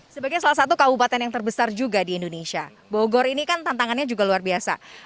sebagai salah satu kabupaten yang terbesar juga di indonesia bogor ini kan tantangannya juga luar biasa